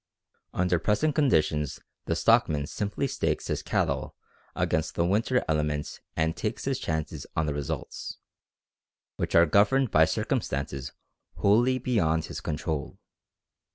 Under present conditions the stockman simply stakes his cattle against the winter elements and takes his chances on the results, which are governed by circumstances wholly beyond his control.